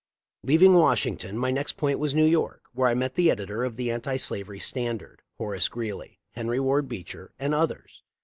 Leaving Washington, my next point was New York, where I met the editor of the Anti Slavery Standard, Horace Greeley, Henry Ward Beecher, and others.